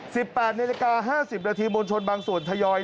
๑๘นาฬิกา๕๐นาทีบนชนบางส่วนทยอย